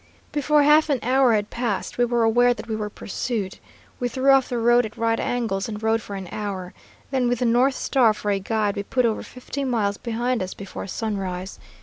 "Before half an hour had passed, we were aware that we were pursued. We threw off the road at right angles and rode for an hour. Then, with the North Star for a guide, we put over fifty miles behind us before sunrise.